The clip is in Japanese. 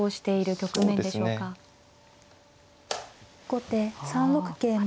後手３六桂馬。